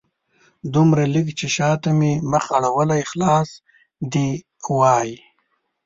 دومره لږ چې شاته مې مخ اړولی خلاص دې وای